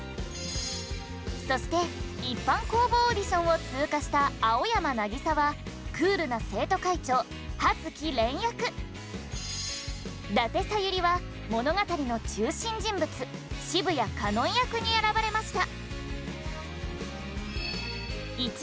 そして一般公募オーディションを通過した青山なぎさはクールな生徒会長葉月恋役伊達さゆりは物語の中心人物澁谷かのん役に選ばれました。